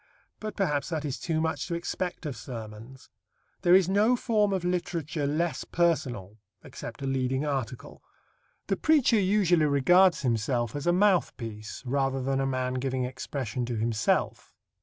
But perhaps that is too much to expect of sermons. There is no form of literature less personal except a leading article. The preacher usually regards himself as a mouthpiece rather than a man giving expression to himself.